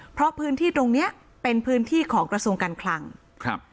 เพราะพื้นที่ตรงเนี้ยเป็นพื้นที่ของกระทรวงการคลังครับ